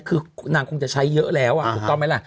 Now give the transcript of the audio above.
คือนางคงจะใช้เยอะแล้วถูกต้องไหมล่ะ